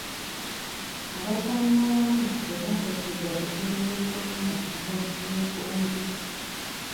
Abazannyi abamu tebaateekeddwa ku ttiimu y'eggwanga olw'obusiiwuufu bw'empisa.